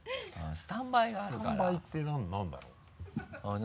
スタンバイって何だろうな？